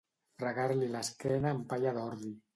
Fregar-li l'esquena amb palla d'ordi.